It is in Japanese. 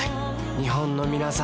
日本のみなさん